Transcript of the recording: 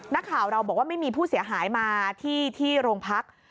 นักข่าวเราบอกว่าไม่มีผู้เสียหายมาที่โรงพัก